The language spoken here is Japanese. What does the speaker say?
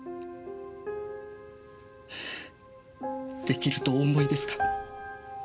できるとお思いですか？